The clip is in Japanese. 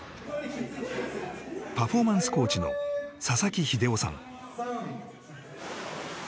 パフォーマンスコーチの佐々木秀男さん。